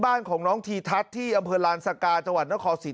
บ้านของน้องทีทัศน์ที่อำเภอลานสกาจังหวัดนครศรี